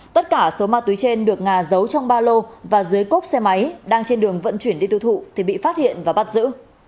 tất cả số ma túy trên được ngà giấu trong ba lô và dưới cốp xe máy đang trên đường vận chuyển đi tiêu thụ thì bị phát hiện và bắt giữ